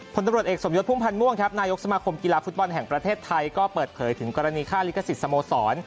ผลตำรวจเอกสมยศพุ่มพันธ์ม่วงครับนายกสมาคมกีฬาฟุตบอลแห่งประเทศไทยก็เปิดเผยถึงกรณีค่าลิขสิทธิ์สโมสร